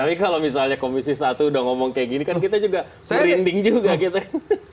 tapi kalau misalnya komisi satu udah ngomong kayak gini kan kita juga merinding juga kita